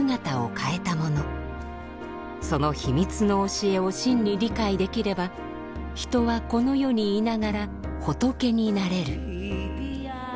その秘密の教えを真に理解できれば人はこの世にいながら仏になれる。